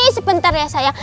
sebentar ya sayang